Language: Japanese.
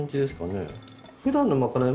ふだんのまかない